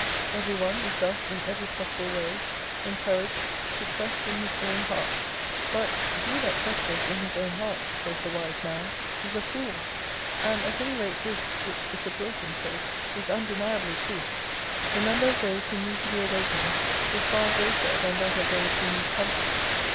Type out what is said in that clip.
Every one is thus in every possible way encouraged to trust in his own heart; but "he that trusteth in his own heart," says the Wise Man, "is a fool;"+ and at any rate this, which Bishop Wilson says, is undeniably true: "The number of those who need to be awakened is far greater than that of those who need comfort."